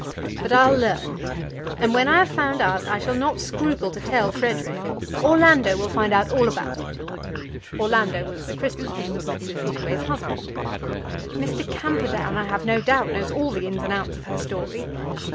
But I'll learn. And when I have found out, I shall not scruple to tell Frederic. Orlando will find out all about it." Orlando was the Christian name of Mrs. Hittaway's husband. "Mr. Camperdown, I have no doubt, knows all the ins and outs of her story.